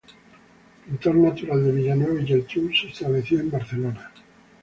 Pintor natural de Villanueva y Geltrú, se estableció en Barcelona.